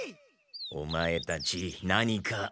オマエたち何か。